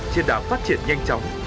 trên đảng phát triển nhanh chóng